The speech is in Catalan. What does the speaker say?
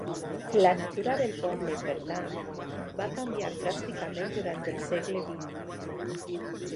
La natura del poble, per tant, va canviar dràsticament durant el segle vint.